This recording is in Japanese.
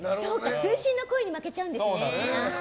通信の声に負けちゃうんですね。